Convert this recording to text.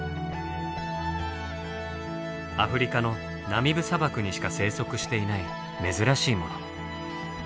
アフリカのナミブ砂漠にしか生息していない珍しいもの。